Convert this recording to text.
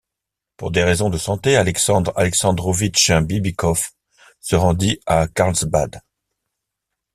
Pour des raisons de santé, Alexandre Alexandrovitch Bibikov se rendit à Carlsbad.